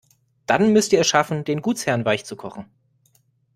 Dann müsst ihr es schaffen, den Gutsherren weichzukochen.